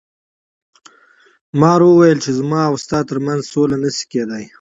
مار وویل چې زما او ستا تر منځ سوله نشي کیدی.